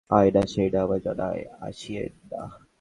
বিয়ের বয়স অওয়ার লাইগ্যা সরহারি আইন আছে, এইডা আমার জানা আছিইন না।